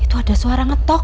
itu ada suara ngetok